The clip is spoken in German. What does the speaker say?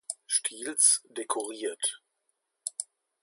Stils dekoriert.